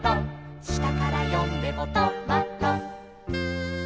「したからよんでもト・マ・ト」